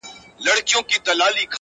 او راته کړل یې